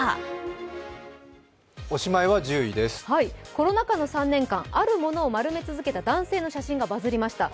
コロナ禍の３年間ある物を丸め続けた男性の写真がバズりました。